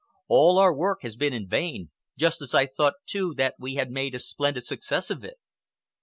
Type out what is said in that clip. All our work has been in vain—just as I thought, too, that we had made a splendid success of it."